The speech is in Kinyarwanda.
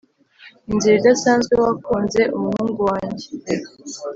inzira idasanzwe wakunze umuhungu wanjye,